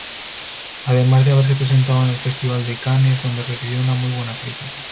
Además de haberse presentado en el Festival de Cannes donde recibió muy buena crítica.